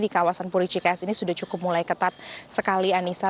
di kawasan puricikes ini sudah cukup mulai ketat sekali anissa